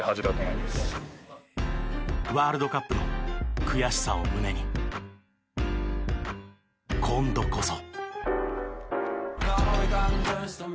ワールドカップの悔しさを胸に今度こそ。